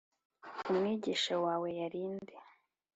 umwigisha wawe yari nde?